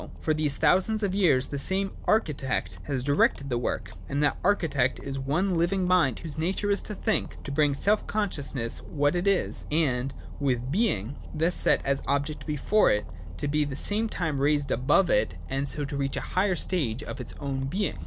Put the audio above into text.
For these thousands of years the same Architect has directed the work : and that Architect is the one living Mind whose nature is to think, to bring to self consciousness what it is, and, with its being thus set as object before it, to be at the same time raised above it, and so to reach a higher stage of its own being.